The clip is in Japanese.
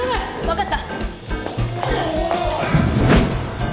わかった！